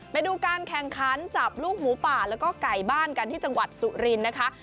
ไปดูการแข่งขันจับลูกหมูป่าแล้วก็ไก่บ้านกันที่จังหวัดสุรินทร์นะคะ